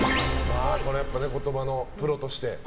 これは言葉のプロとして。